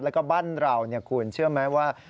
แล้วก็บ้านเราคุณเชื่อไหมว่า